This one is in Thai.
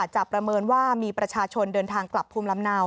ประเมินว่ามีประชาชนเดินทางกลับภูมิลำเนา